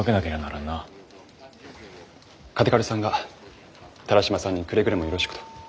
嘉手刈さんが田良島さんにくれぐれもよろしくと。